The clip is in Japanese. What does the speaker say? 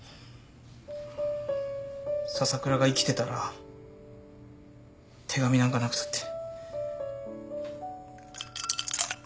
笹倉が生きてたら手紙なんかなくたって。